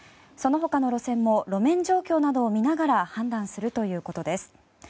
その他の路線も路面状況などを見ながら判断するということです。